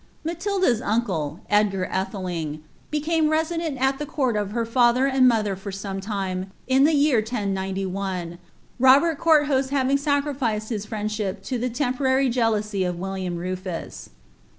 Matilda's uncle, Edgar Atheling, became resident at the court of htf father and mother for some time, in the year 1091, Robert Conrthost having sacrificed his friendship to the temporary Jealousy of William RufuR.